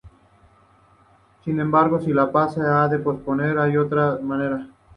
Sin embargo, si la paz ha de prosperar, no hay otra manera.